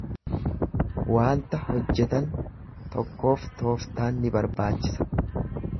Waanta hojjetan tokkoof toftaan ni barbaachisa.